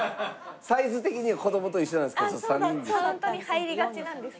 サイズ的には子供と一緒なんですけど３人です。